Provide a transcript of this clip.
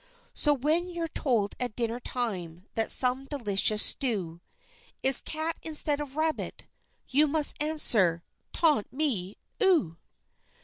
So when you're told at dinner time that some delicious stew Is cat instead of rabbit, you must answer "Tant mi eux!"